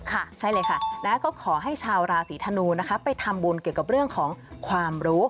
ใช่เลยค่ะแล้วก็ขอให้ชาวราศีธนูนะคะไปทำบุญเกี่ยวกับเรื่องของความรู้